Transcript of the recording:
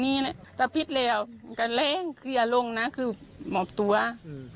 เลยแต่พิษแล้วก็เลนเขียนลงน่ะคือหมบตัวหนึ่ง